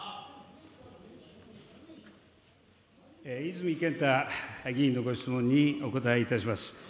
泉健太議員のご質問にお答えいたします。